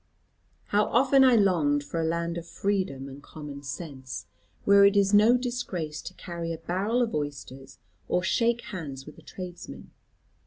How often I longed for a land of freedom and common sense, where it is no disgrace to carry a barrel of oysters, or shake hands with a tradesman.